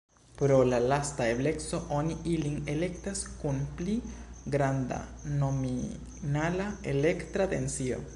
Pro la lasta ebleco oni ilin elektas kun pli granda nominala elektra tensio.